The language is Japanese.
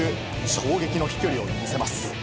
衝撃の飛距離を見せます。